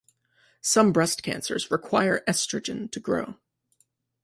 Some breast cancers require estrogen to grow.